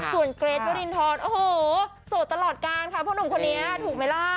ส่วนเกรทวรินทรโอ้โหโสดตลอดการค่ะพ่อหนุ่มคนนี้ถูกไหมล่ะ